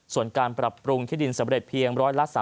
ส่วนการปรับปรุงที่ดินสำเร็จเพียง๑๓